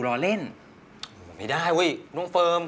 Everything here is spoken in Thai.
โอ้โหโอ้โห